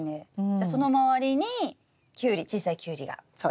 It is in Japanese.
じゃあその周りにキュウリ小さいキュウリがなる。